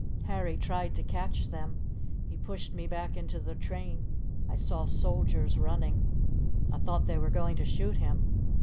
Harry tried to catch them! He pushed me back into the train! I saw soldiers running! I thought they were going to shoot him!